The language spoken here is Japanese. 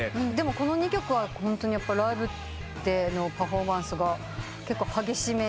この２曲はホントにライブでのパフォーマンスが結構激しめですよね？